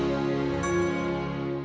sampai jumpa lagi